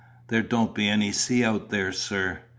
"There don't be any sea out there, sir.